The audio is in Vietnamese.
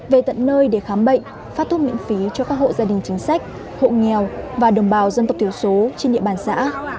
về tận nơi để khám bệnh phát thuốc miễn phí cho các hộ gia đình chính sách hộ nghèo và đồng bào dân tộc thiểu số trên địa bàn xã